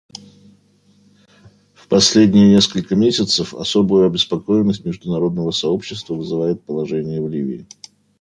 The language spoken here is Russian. В последние несколько месяцев особую обеспокоенность международного сообщества вызывает положение в Ливии.